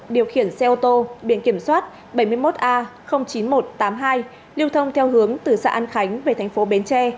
điều khiển xe ô tô biển kiểm soát bảy mươi một a chín nghìn một trăm tám mươi hai liều thông theo hướng từ xã an khánh về thành phố bến tre